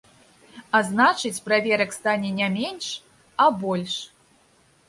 А значыць, праверак стане не менш, а больш.